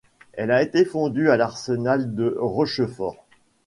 Elle a été fondue à l’arsenal de Rochefort.